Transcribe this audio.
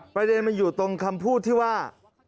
ประเด็นมันอยู่ตรงคำพูดที่ว่า